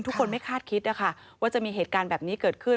ทุกคนไม่คาดคิดนะคะว่าจะมีเหตุการณ์แบบนี้เกิดขึ้น